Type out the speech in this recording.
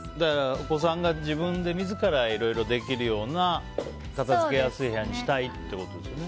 お子さんが自分で自らいろいろできるような片付けやすい部屋にしたいということですよね。